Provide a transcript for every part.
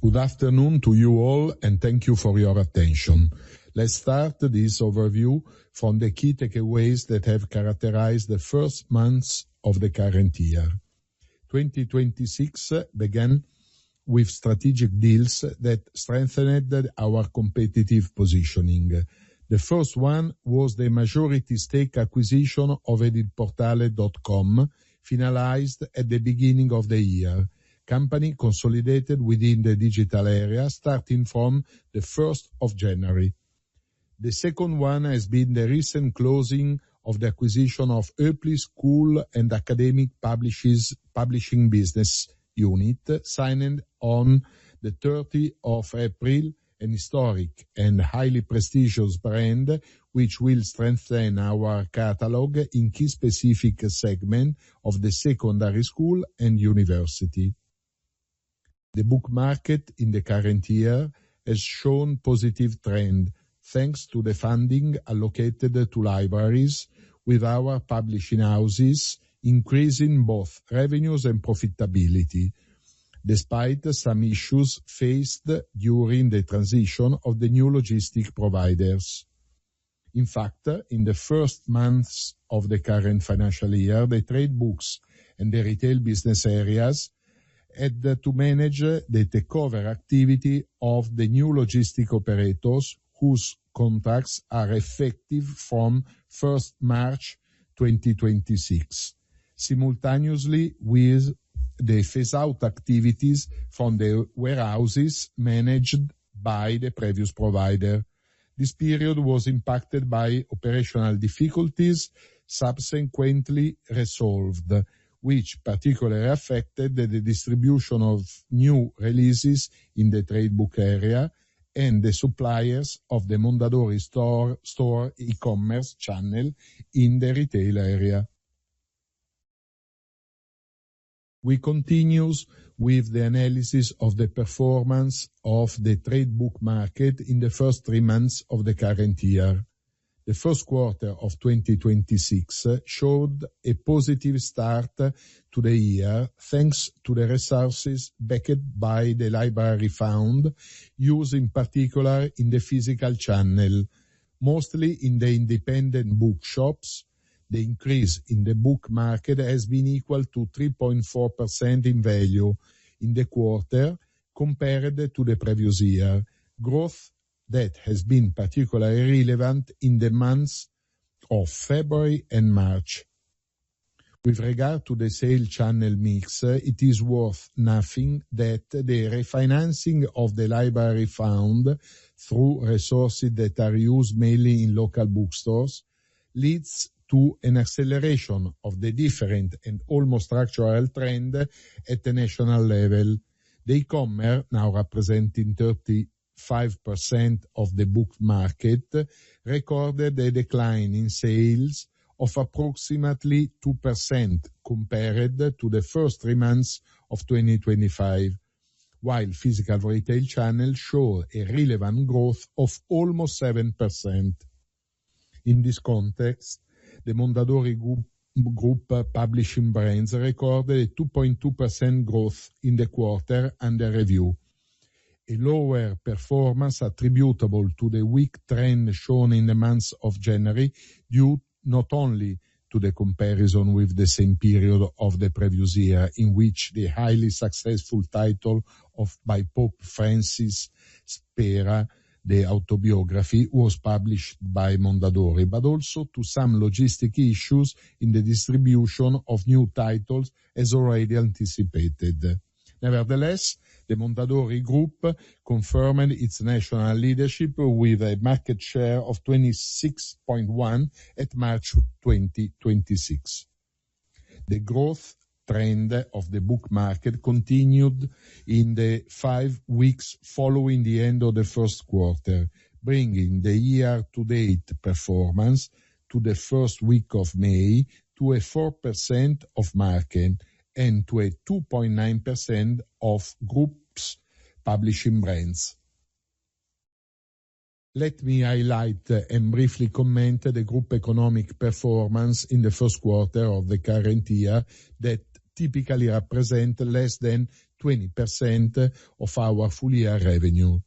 Good afternoon to you all, and thank you for your attention. Let's start this overview from the key takeaways that have characterized the first months of the current year. 2026 began with strategic deals that strengthened our competitive positioning. The first one was the majority stake acquisition of edilportale.com, finalized at the beginning of the year, company consolidated within the digital area starting from the 1st of January. The second one has been the recent closing of the acquisition of Hoepli school and academic publishing business unit, signed on the 30 of April, an historic and highly prestigious brand which will strengthen our catalog in key specific segment of the secondary school and university. The book market in the current year has shown positive trend, thanks to the funding allocated to libraries with our publishing houses, increasing both revenues and profitability, despite some issues faced during the transition of the new logistic providers. Infact, in the first three months of the current financial year, the trade books and the retail business areas had to manage the takeover activity of the new logistic operators, whose contracts are effective from 1st March 2026, simultaneously with the phase-out activities from the warehouses managed by the previous provider. This period was impacted by operational difficulties subsequently resolved, which particularly affected the distribution of new releases in the trade book area and the suppliers of the Mondadori Store e-commerce channel in the retail area. We continues with the analysis of the performance of the trade book market in the first three months of the current year. The first quarter of 2026 showed a positive start to the year, thanks to the resources backed by the library fund, used in particular in the physical channel. Mostly in the independent bookshops, the increase in the book market has been equal to 3.4% in value in the quarter compared to the previous year, growth that has been particularly relevant in the months of February and March. With regard to the sale channel mix, it is worth noting that the refinancing of the library fund through resources that are used mainly in local bookstores leads to an acceleration of the different and almost structural trend at the national level. The e-commerce, now representing 35% of the book market, recorded a decline in sales of approximately 2% compared to the first three months of 2025, while physical retail channels show a relevant growth of almost 7%. In this context, the Mondadori Group publishing brands recorded a 2.2% growth in the quarter under review. A lower performance attributable to the weak trend shown in the months of January, due not only to the comparison with the same period of the previous year, in which the highly successful title of Pope Francis, Spera, the autobiography, was published by Mondadori, but also to some logistic issues in the distribution of new titles as already anticipated. Nevertheless, the Mondadori Group confirmed its national leadership with a market share of 26.1% at March 2026. The growth trend of the book market continued in the five weeks following the end of the first quarter, bringing the year-to-date performance to the first week of May to a 4% of market and to a 2.9% of group's publishing brands. Let me highlight and briefly comment the group economic performance in the first quarter of the current year that typically represent less than 20% of our full-year revenue.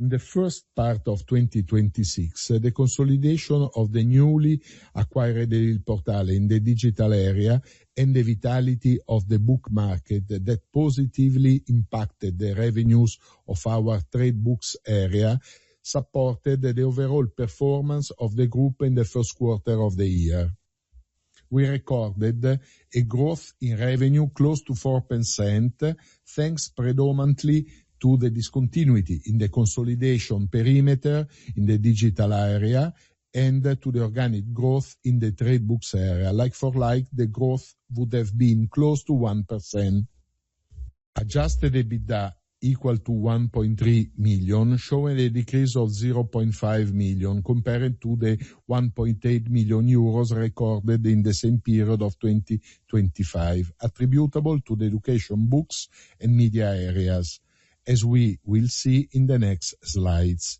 In the first part of 2026, the consolidation of the newly acquired Edilportale in the digital area and the vitality of the book market that positively impacted the revenues of our trade books area supported the overall performance of the group in the first quarter of the year. We recorded a growth in revenue close to 4%, thanks predominantly to the discontinuity in the consolidation perimeter in the digital area and to the organic growth in the trade books area. Like for like, the growth would have been close to 1%. Adjusted EBITDA equal to 1.3 million, showing a decrease of 0.5 million compared to the 1.8 million euros recorded in the same period of 2025, attributable to the education books and media areas, as we will see in the next slides.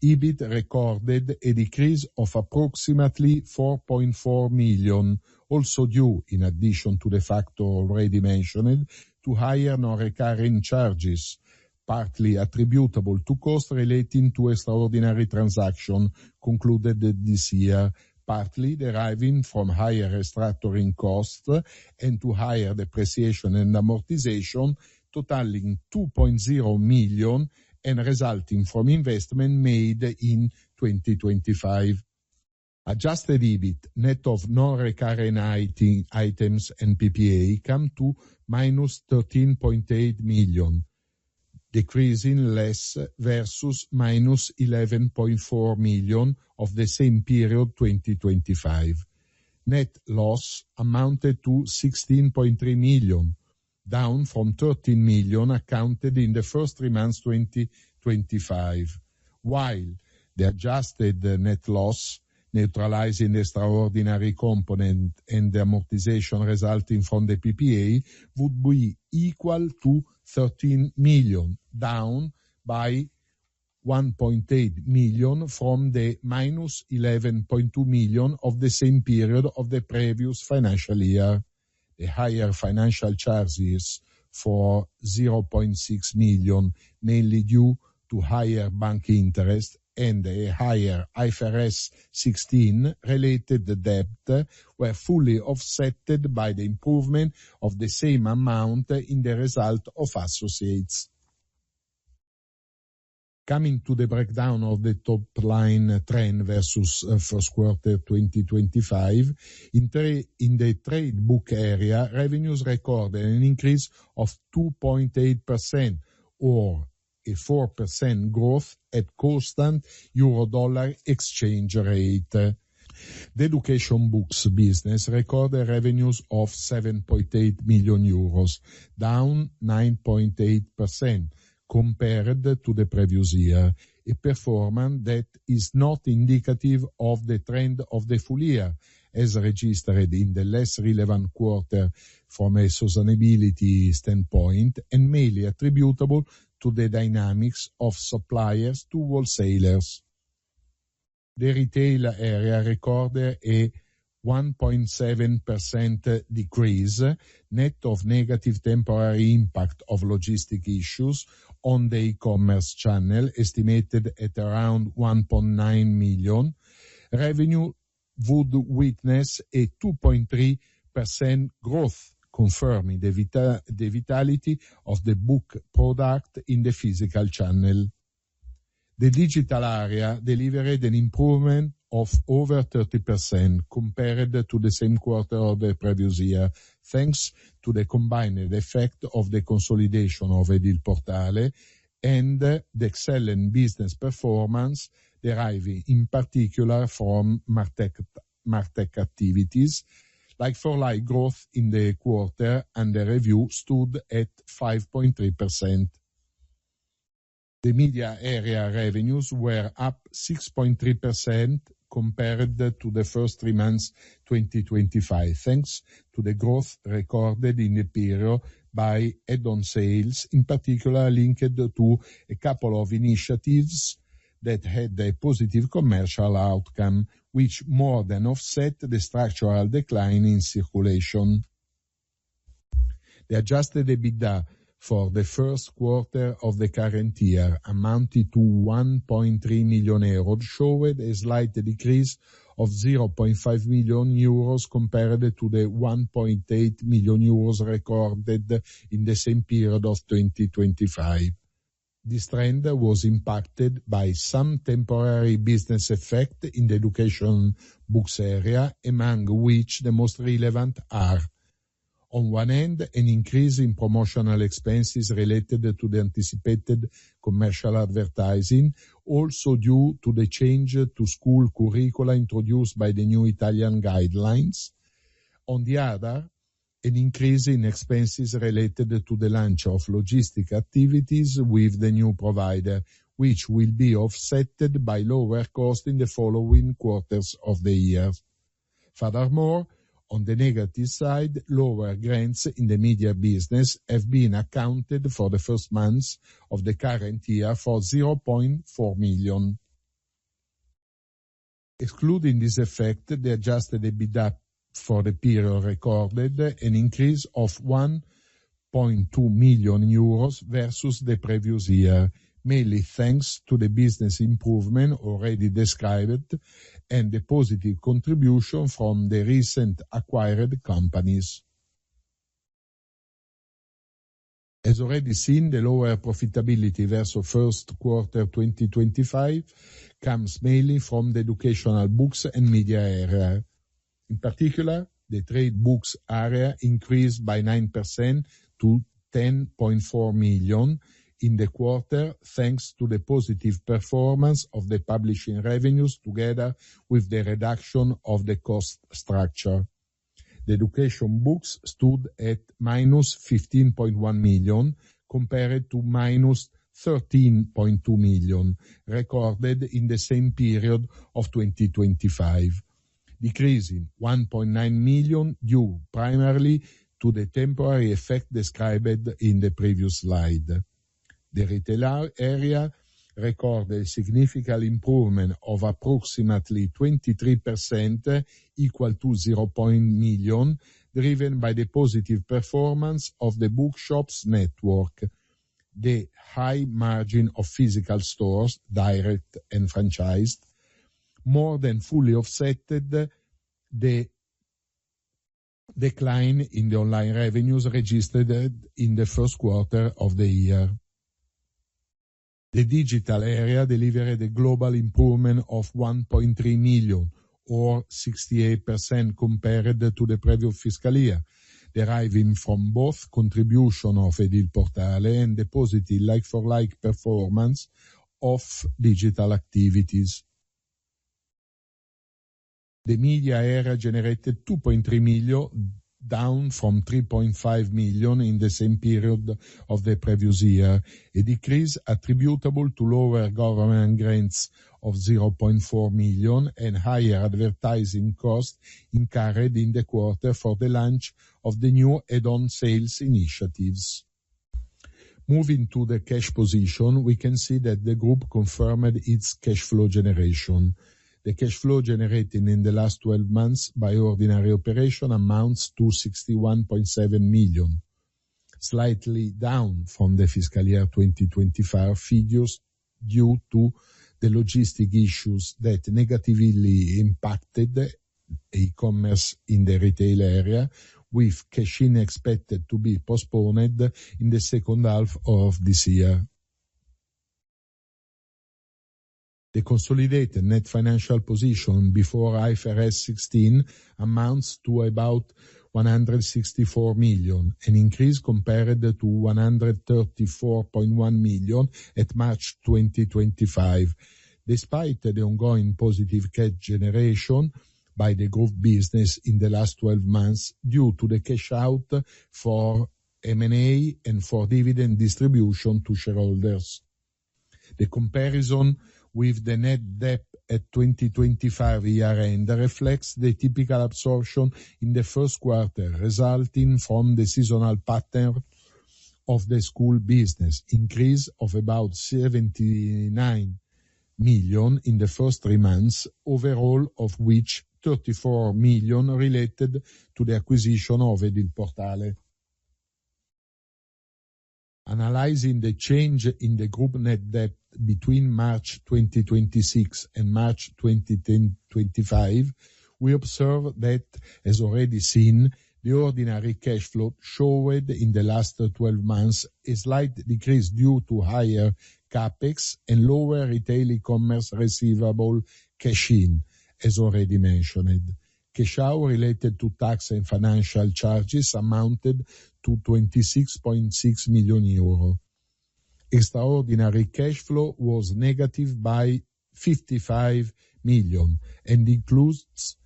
EBIT recorded a decrease of approximately 4.4 million, also due, in addition to the factor already mentioned, to higher non-recurring charges, partly attributable to costs relating to extraordinary transaction concluded this year, partly deriving from higher restructuring costs and to higher depreciation and amortization totaling 2.0 million and resulting from investment made in 2025. Adjusted EBIT, net of non-recurring IT items and PPA, come to -13.8 million, decreasing less versus -11.4 million of the same period 2025. Net loss amounted to 16.3 million, down from 13 million accounted in the first three months 2025. While the adjusted net loss, neutralizing extraordinary component and amortization resulting from the PPA, would be equal to 13 million, down by 1.8 million from the -11.2 million of the same period of the previous financial year. The higher financial charges for 0.6 million, mainly due to higher bank interest and a higher IFRS 16 related debt, were fully offsetted by the improvement of the same amount in the result of associates. Coming to the breakdown of the top line trend versus first quarter 2025, in the trade book area, revenues recorded an increase of 2.8% or a 4% growth at constant euro dollar exchange rate. The education books business recorded revenues of 7.8 million euros, down 9.8% compared to the previous year, a performance that is not indicative of the trend of the full year as registered in the less relevant quarter from a sustainability standpoint and mainly attributable to the dynamics of suppliers to wholesalers. The retail area recorded a 1.7% decrease net of negative temporary impact of logistic issues on the e-commerce channel estimated at around 1.9 million. Revenue would witness a 2.3% growth, confirming the vitality of the book product in the physical channel. The digital area delivered an improvement of over 30% compared to the same quarter of the previous year, thanks to the combined effect of the consolidation of Edilportale and the excellent business performance deriving in particular from Martech activities, like for like growth in the quarter and the review stood at 5.3%. The media area revenues were up 6.3% compared to the first three months 2025, thanks to the growth recorded in the period by add-on sales, in particular linked to a couple of initiatives that had a positive commercial outcome, which more than offset the structural decline in circulation. The adjusted EBITDA for the first quarter of the current year amounted to 1.3 million euros, showed a slight decrease of 0.5 million euros compared to the 1.8 million euros recorded in the same period of 2025. This trend was impacted by some temporary business effect in the education books area, among which the most relevant are, on one hand, an increase in promotional expenses related to the anticipated commercial advertising, also due to the change to school curricula introduced by the new Italian guidelines. On the other, an increase in expenses related to the launch of logistic activities with the new provider, which will be offsetted by lower cost in the following quarters of the year. Furthermore, on the negative side, lower grants in the media business have been accounted for the first months of the current year for 0.4 million. Excluding this effect, the adjusted EBITDA for the period recorded an increase of 1.2 million euros versus the previous year, mainly thanks to the business improvement already described and the positive contribution from the recent acquired companies. As already seen, the lower profitability versus first quarter 2025 comes mainly from the education books and media area. In particular, the trade books area increased by 9% to 10.4 million in the quarter, thanks to the positive performance of the publishing revenues together with the reduction of the cost structure. The education books stood at -15.1 million, compared to -13.2 million recorded in the same period of 2025. Decreasing 1.9 million due primarily to the temporary effect described in the previous slide. The retail area recorded a significant improvement of approximately 23% equal to 0. million, driven by the positive performance of the bookshops network. The high margin of physical stores, direct and franchised, more than fully offsetted the decline in the online revenues registered in the first quarter of the year. The digital area delivered a global improvement of 1.3 million or 68% compared to the previous fiscal year, deriving from both contribution of Edilportale and the positive like-for-like performance of digital activities. The media area generated 2.3 million, down from 3.5 million in the same period of the previous year. A decrease attributable to lower government grants of 0.4 million and higher advertising costs incurred in the quarter for the launch of the new add-on sales initiatives. Moving to the cash position, we can see that the group confirmed its cash flow generation. The cash flow generated in the last 12 months by ordinary operation amounts to 61.7 million, slightly down from the fiscal year 2025 figures due to the logistic issues that negatively impacted the e-commerce in the retail area, with cash in expected to be postponed in the second half of this year. The consolidated net financial position before IFRS 16 amounts to about 164 million, an increase compared to 134.1 million at March 2025. Despite the ongoing positive cash generation by the group business in the last 12 months, due to the cash out for M&A and for dividend distribution to shareholders. The comparison with the net debt at 2025 year-end reflects the typical absorption in the first quarter, resulting from the seasonal pattern of the school business increase of about 79 million in the first three months, overall of which 34 million related to the acquisition of Edilportale. Analyzing the change in the group net debt between March 2026 and March 2025, we observe that, as already seen, the ordinary cash flow showed in the last 12 months a slight decrease due to higher CapEx and lower retail e-commerce receivable cash in, as already mentioned. Cash out related to tax and financial charges amounted to 26.6 million euro. Extraordinary cash flow was negative by 55 million and includes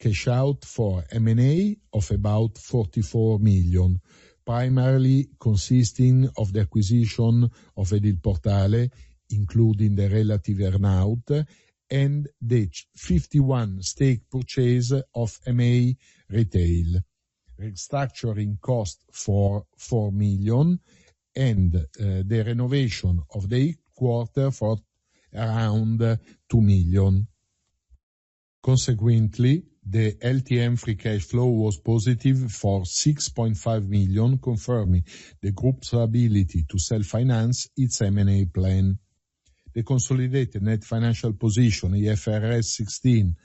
cash out for M&A of about 44 million, primarily consisting of the acquisition of Edilportale, including the relative earn-out and the 51% stake purchase of MA Retail. Restructuring cost for 4 million and the renovation of the quarter for around 2 million. Consequently, the LTM free cash flow was positive for 6.5 million, confirming the group's ability to self-finance its M&A plan. The consolidated net financial position IFRS 16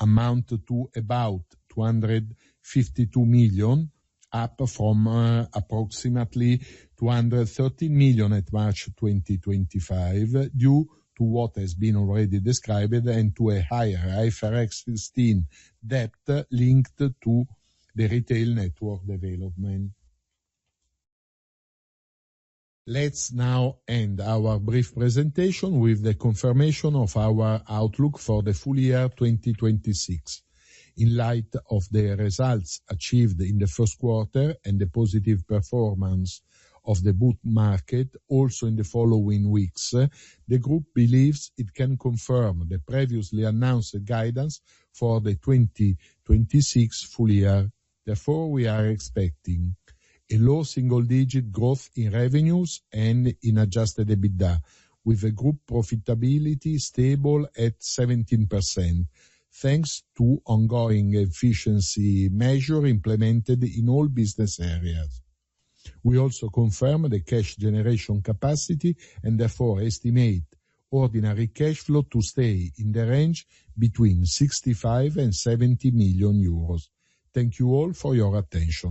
amount to about 252 million, up from approximately 213 million at March 2025, due to what has been already described and to a higher IFRS 16 debt linked to the retail network development. Let's now end our brief presentation with the confirmation of our outlook for the full year 2026. In light of the results achieved in the first quarter and the positive performance of the book market, also in the following weeks, the group believes it can confirm the previously announced guidance for the 2026 full year. We are expecting a low single-digit growth in revenues and in adjusted EBITDA, with the group profitability stable at 17%, thanks to ongoing efficiency measure implemented in all business areas. We also confirm the cash generation capacity and therefore estimate ordinary cash flow to stay in the range between 65 million and 70 million euros. Thank you all for your attention.